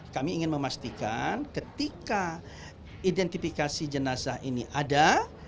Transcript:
kami ingin memastikan ketika identifikasi jenazah ini ada